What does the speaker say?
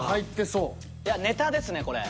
ネタですねこれ。